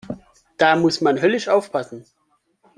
Da muss man höllisch aufpassen.